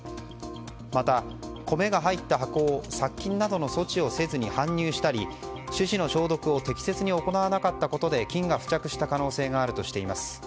また、米が入った箱を殺菌などの措置をせずに搬入したり手の消毒を適切に行わなかったことで菌が付着した可能性があるとしています。